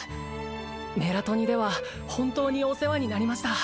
メラトニでは本当にお世話になりました